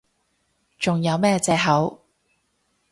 仲有咩藉口？